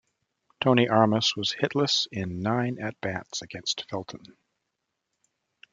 Tony Armas was hitless in nine at bats against Felton.